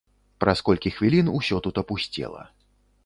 Праз колькі хвілін усё тут апусцела.